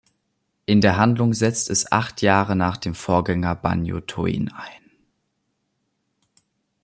In der Handlung setzt es acht Jahre nach dem Vorgänger Banjo-Tooie ein.